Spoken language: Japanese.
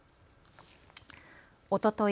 おととい